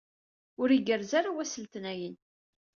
Ur igerrez ara wass n letnayen.